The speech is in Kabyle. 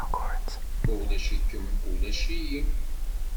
Ma ulac-ikem, ulac-iyi.